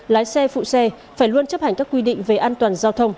lái xe phụ xe phải luôn chấp hành các quy định về an toàn giao thông